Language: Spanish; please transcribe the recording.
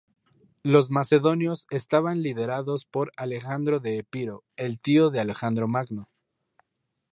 Los macedonios estaban liderados por Alejandro de Epiro, el tío de Alejandro Magno.